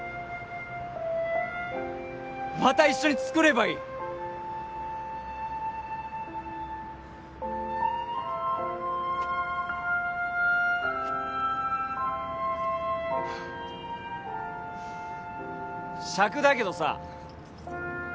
また一緒に作ればいいしゃくだけどさ